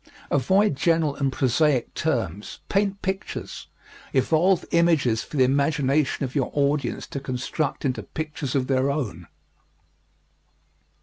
Avoid general and prosaic terms. Paint pictures. Evolve images for the imagination of your audience to construct into pictures of their own.